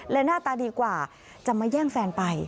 และหน้าตาดีกว่าจะมาแย่งแฟนไป